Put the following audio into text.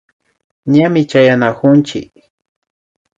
Ñami chayanakunchik